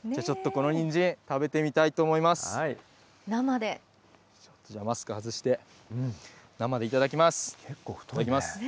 ちょっとこのにんじん、食べてみたいと思います。